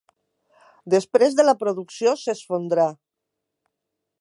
Després la producció s'esfondrà.